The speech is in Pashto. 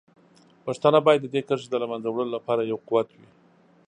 پښتانه باید د دې کرښې د له منځه وړلو لپاره یو قوت وي.